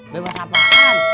bebas apa kan